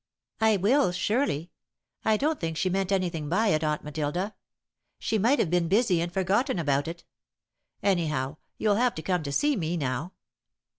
"I will, surely. I don't think she meant anything by it, Aunt Matilda. She might have been busy and forgotten about it. Anyhow, you'll have to come to see me now."